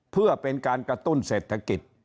เพื่อเป็นการกระตุ้นเศรษฐกิจ